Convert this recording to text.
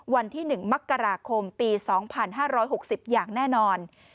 วันที่๑มกราคมปี๒๕๖๐อย่างแน่นอน